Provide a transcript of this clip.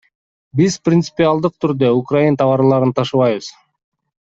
Биз принципиалдык түрдө украин товарларын ташыбайбыз.